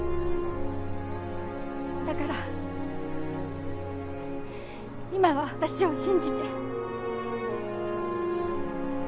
だから今は私を信じて。